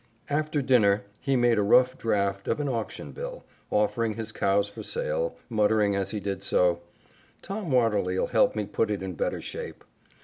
After dinner, he made a rough draught of an auction bill, offering his cows for sale, muttering as he did so, "Tom Watterly'll help me put it in better shape."